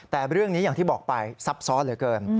แต่เรื่องนี้อย่างที่บอกไปซับซ้อนเหลือเกิน